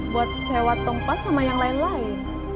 buat sewa tempat sama yang lain lain